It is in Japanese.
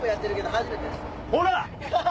ほら！